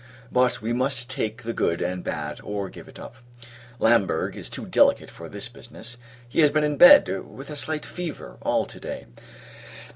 But we must take the good and bad, or give it up. Lamberg is too delicate for this business; he has been in bed, with a slight fever, all to day.